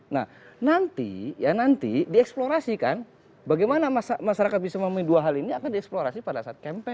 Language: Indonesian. nah nanti ya nanti dieksplorasikan bagaimana masyarakat bisa memiliki dua hal ini akan dieksplorasi pada saat kempen